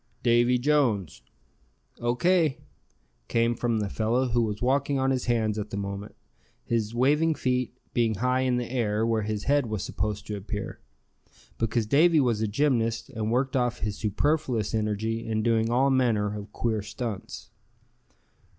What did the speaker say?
"Davy Jones." "O. K." came from the fellow who was walking on his hands at the moment, his waving feet being high in the air, where his head was supposed to appear; because Davy was a gymnast, and worked off his superfluous energy in doing all manner of queer stunts.